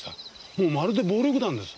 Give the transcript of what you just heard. もうまるで暴力団です。